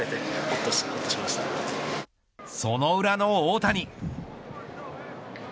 その裏の大谷。